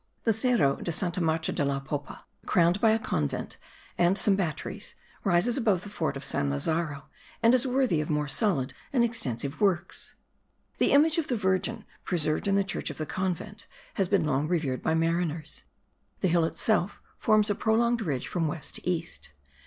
The Cerro de Santa Maria de la Popa, crowned by a convent and some batteries, rises above the fort of San Lazaro and is worthy of more solid and extensive works. The image of the Virgin, preserved in the church of the convent, has been long revered by mariners. The hill itself forms a prolonged ridge from west to east.